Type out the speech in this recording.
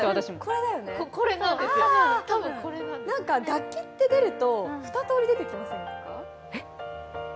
これだよね、楽器って出ると２通り出てきませんか？